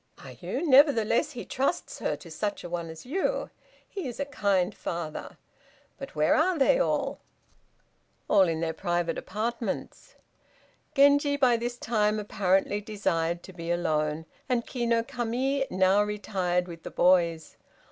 "Are you? Nevertheless he trusts her to such a one as you. He is a kind father! But where are they all?" "All in their private apartments." Genji by this time apparently desired to be alone, and Ki no Kami now retired with the boys.